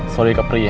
sorry keprih ya